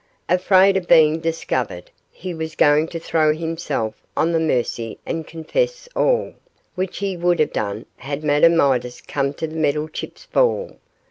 Afraid of being discovered, he was going to throw himself on her mercy and confess all, which he would have done had Madame Midas come to the Meddlechip's ball.